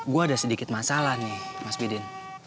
gue ada sedikit masalah nih mas bidin